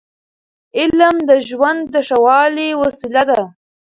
علم د ژوند د ښه والي وسیله ده.